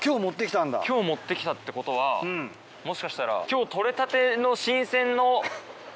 今日持って来たってことはもしかしたら今日取れたての。